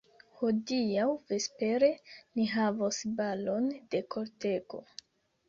Hodiaŭ vespere ni havos balon de kortego!